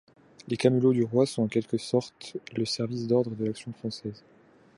Les Camelots du roi sont en quelque sorte le service d'ordre de l'Action française.